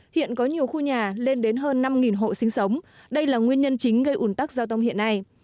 hiện có nhiều khu nhà lên đến hơn năm hộ sinh sống đây là nguyên nhân chính gây ủn tắc giao thông hiện nay